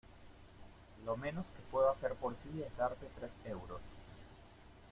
Lo menos que puedo hacer por ti es darte tres euros.